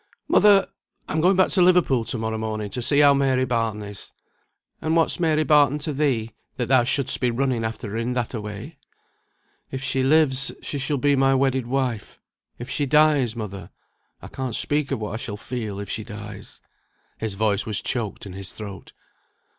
"Mother! I am going back to Liverpool to morrow morning to see how Mary Barton is." "And what's Mary Barton to thee, that thou shouldst be running after her in that a way?" "If she lives, she shall be my wedded wife. If she dies mother, I can't speak of what I shall feel if she dies." His voice was choked in his throat.